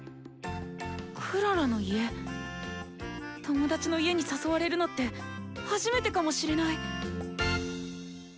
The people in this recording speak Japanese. クララの家友達の家に誘われるのって初めてかもしれない。